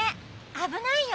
あぶないよ。